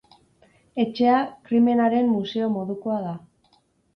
Etxea krimenaren museo modukoa da.